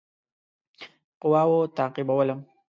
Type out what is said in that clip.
قواوو تعقیبولم.